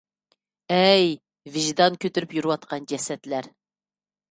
ئەي ۋىجدان كۆتۈرۈپ يۈرۈۋاتقان جەسەتلەر!!!